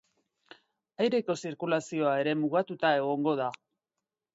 Aireko zirkulazioa ere mugatuta egongo da.